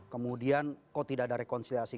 kemudian kok tidak ada rekonsiliasi